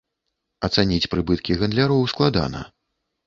Ацаніць прыбыткі гандляроў складана.